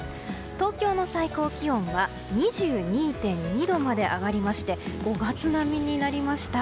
東京の最高気温は２２．２度まで上がりまして５月並みになりました。